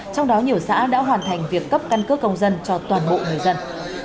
trong đó nhiều xã đã hoàn thành việc cấp căn cước công dân cho toàn bộ người dân